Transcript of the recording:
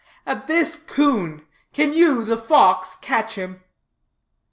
"At this coon. Can you, the fox, catch him?"